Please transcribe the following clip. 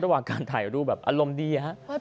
ระหว่างการถ่ายรูปแบบอารมณ์ดี